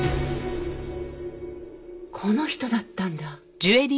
この人だったんだ。